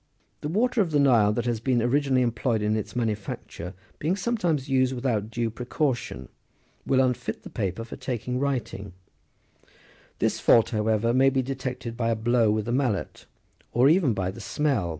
The water of the Nile that has been originally employed in its manufacture, being sometimes used without due precaution, will unfit the paper for taking writing : this fault, however, may be detected by a blow with the mallet, or even by the smell,27 when the carelessness has been extreme.